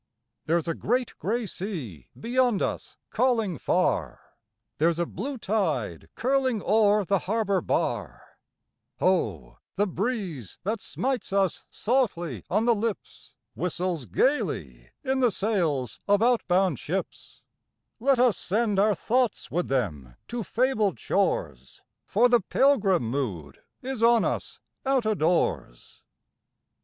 There's a great gray sea beyond us calling far, There's a blue tide curling o'er the harbor bar; Ho, the breeze that smites us saltly on the lips Whistles gaily in the sails of outbound ships; Let us send our thoughts with them to fabled shores, For the pilgrim mood is on us out o' doors